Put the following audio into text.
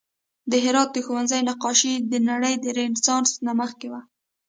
د هرات د ښوونځي نقاشي د نړۍ د رنسانس نه مخکې وه